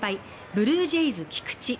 ブルージェイズ、菊池。